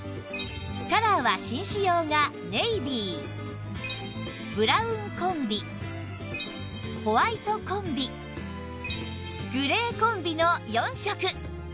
カラーは紳士用がネイビーブラウンコンビホワイトコンビグレーコンビの４色